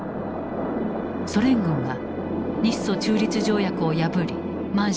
ソ連軍が日ソ中立条約を破り満州に侵攻。